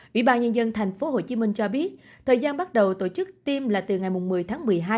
ủy ban nhân dân thành phố hồ chí minh cho biết thời gian bắt đầu tổ chức tiêm là từ ngày mùng một mươi tháng một mươi hai